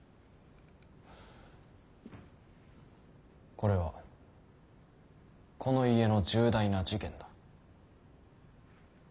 これはこの家の重大な事件だ。